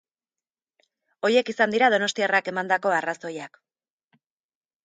Horiek izan dira donostiarrak emandako arrazoiak.